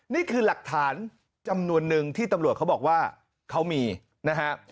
นี่คือหลักฐานจำนวนนึงที่ตำรวจเขาบอกว่าเขามีนะฮะ